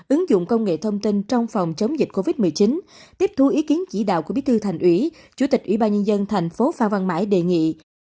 ứng dụng công nghệ thông tin trong phòng chống dịch covid một mươi chín tiếp thu ý kiến chỉ đạo của bí thư thành ủy chủ tịch ủy ban nhân dân thành phố phan văn mãi đề nghị